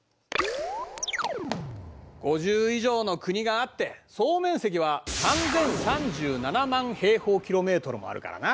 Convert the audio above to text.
５０以上の国があって総面積は３，０３７万もあるからな。